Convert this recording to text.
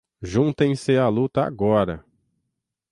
juntem-se a luta agora